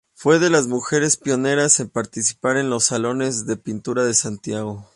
Fue de las mujeres pioneras en participar en los "Salones de Pintura de Santiago".